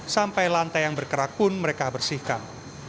sampai lantai yang berkerak pun mereka bersihkan